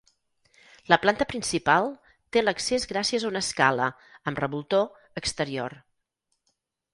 La planta principal té l'accés gràcies a una escala, amb revoltó, exterior.